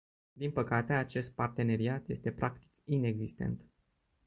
Din păcate, acest parteneriat este practic inexistent.